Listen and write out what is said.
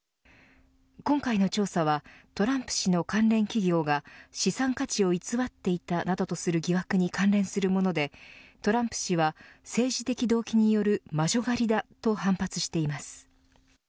今回の調査はトランプ氏の関連企業が資産価値を偽っていたなどとする疑惑に関連するものでトランプ氏は政治的動機による魔女狩りだと反発しています。